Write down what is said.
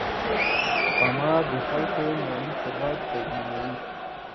سپما د خلکو مالي ثبات تضمینوي.